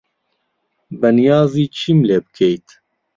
بەنیازی چیم لێ بکەیت؟